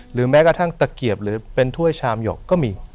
แม้กระทั่งตะเกียบหรือเป็นถ้วยชามหยกก็มี